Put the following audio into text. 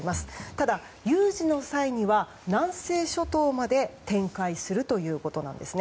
ただ、有事の際には南西諸島まで展開するということなんです。